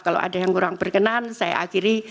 kalau ada yang kurang berkenan saya akhiri